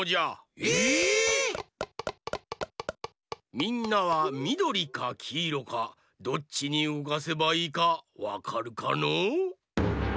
みんなはみどりかきいろかどっちにうごかせばいいかわかるかのう？